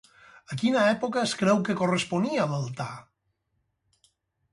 A quina època es creu que corresponia l'altar?